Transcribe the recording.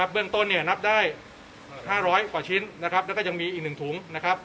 เบื้องต้นนับได้๕๐๐กว่าชิ้นแล้วก็ยังมีอีก๑ถุง